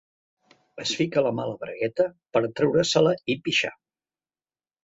Es fica la mà a la bragueta per treure-se-la i pixar.